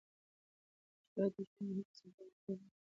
موږ باید د ژوند هر کثافت د خپل ځان د لوړولو لپاره وکاروو.